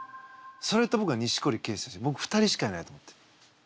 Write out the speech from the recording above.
それとぼくは錦織圭選手ぼく２人しかいないと思ってる。